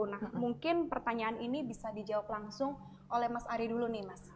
nah mungkin pertanyaan ini bisa dijawab langsung oleh mas ari dulu nih mas